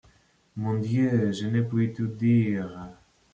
Mon dieu, je ne puis tout dire.